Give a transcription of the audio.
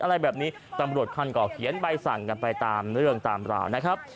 อะไรแบบนี้ตำรวจคันก่อเขียนใบสั่งกันไปตามเรื่องตามราวนะครับ